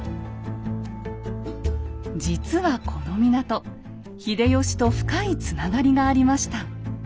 実はこの港秀吉と深いつながりがありました。